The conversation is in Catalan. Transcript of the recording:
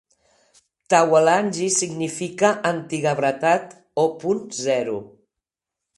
Tauelangi significa anti-gravetat o Punt cero.